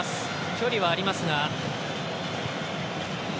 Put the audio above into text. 距離はありますが。